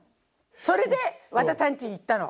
それで和田さんち行ったの。